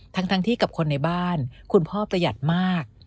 ทั้งที่กับคนในบ้านคุณพ่อประหยัดมาก